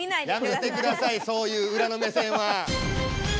やめてくださいそういううらの目線は。